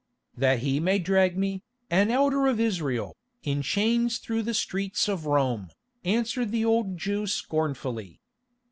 "That he may drag me, an elder of Israel, in chains through the streets of Rome," answered the old Jew scornfully.